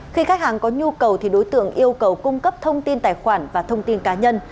khi khách hàng có nhu cầu thì đối tượng yêu cầu cung cấp thông tin tài khoản và thông tin cá nhân